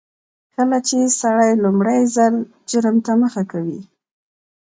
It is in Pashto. کله چې سړی لومړي ځل جرم ته مخه کوي.